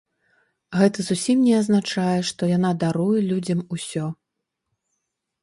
Гэта зусім не азначае, што яна даруе людзям усё.